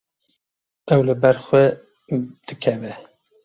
Ew li ber xwe dikeve.